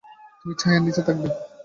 তুমি ছায়ার নিচে থাকবে।